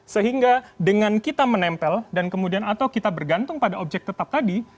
sehingga dengan kita menempel dan kemudian atau kita bergantung pada objek tetap tadi